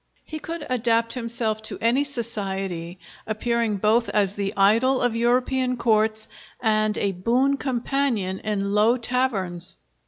He could adapt himself to any society, appearing both as the idol of European courts and a boon companion in low taverns.